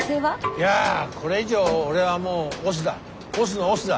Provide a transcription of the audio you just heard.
いやぁこれ以上俺はもう押忍だ。